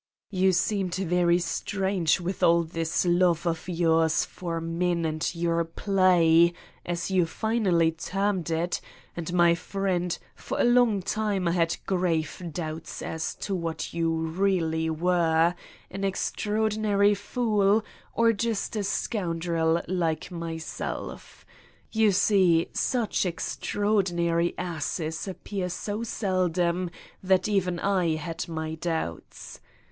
" "You seemed very strange with all this love of yours for men and your play, as you finally termed it, and, my friend, for a long time I had grave doubts as to what you really were : an extraordin 218 Satan's Diary ary fool or just a scoundrel, like myself. You see, such extraordinary asses appear so seldom that even I had my doubts.